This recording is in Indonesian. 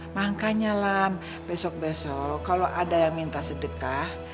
makanya lah besok besok kalau ada yang minta sedekah